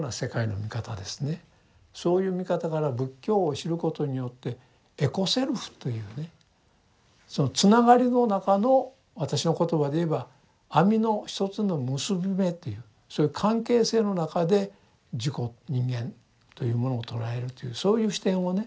そういう見方から仏教を知ることによってエコ・セルフというねそのつながりの中の私の言葉で言えば網の一つの結び目というそういう関係性の中で自己人間というものを捉えるというそういう視点をね